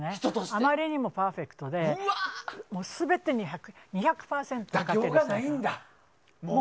あまりにもパーフェクトで全て、２００％かけてる。